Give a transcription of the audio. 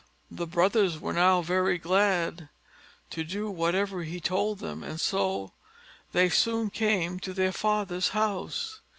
The brothers now were very glad to do whatever he told them, and so they soon came to their father's house.